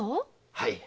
はい。